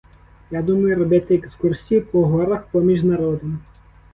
Я думаю робити екскурсію по горах поміж народом.